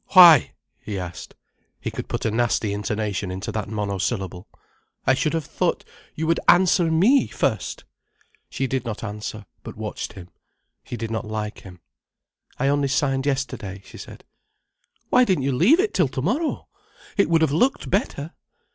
"Why?" he asked. He could put a nasty intonation into that monosyllable. "I should have thought you would answer me first." She did not answer, but watched him. She did not like him. "I only signed yesterday," she said. "Why didn't you leave it till tomorrow? It would have looked better."